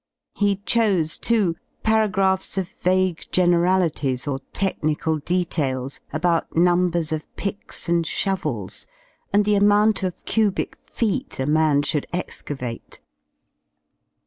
He chose, too, para graphs of vague generalities or technical details about num bers of picks and shovels, and the amount of cubic feet a man should excavate.